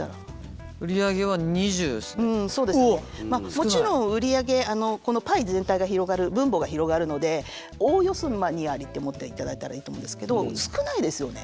もちろん売り上げパイ全体が広がる分母が広がるのでおおよそ２割って思っていただいたらいいと思うんですけど少ないですよね。